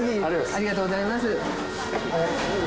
ありがとうございます。